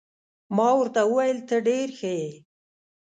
ما ورته وویل: ته ډېر ښه يې.